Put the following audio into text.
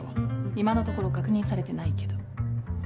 今のところ確認されてないけど。